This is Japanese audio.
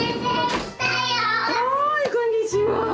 はーいこんにちは。